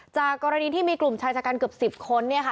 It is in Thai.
จากกรณีที่มีกลุ่มชายจัดการเกือบ๑๐คนเนี่ยค่ะ